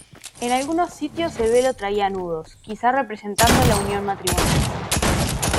En algunos sitios el velo traía nudos, quizá representando la unión matrimonial.